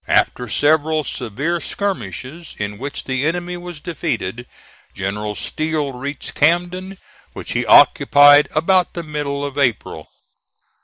After several severe skirmishes, in which the enemy was defeated, General Steele reached Camden, which he occupied about the middle of April.